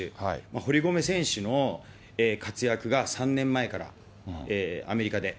堀米選手の活躍が３年前からアメリカで。